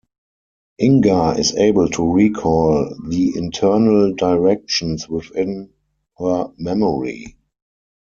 Inga is able to recall the internal directions within her memory.